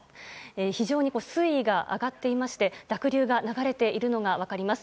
非常に水位が上がっていまして濁流が流れているのが分かります。